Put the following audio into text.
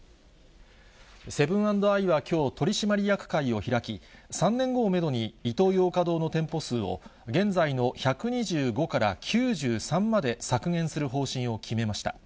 セブン＆アイはきょう、取締役会を開き、３年後をメドに、イトーヨーカドーの店舗数を、現在の１２５から９３まで削減する方針を決めました。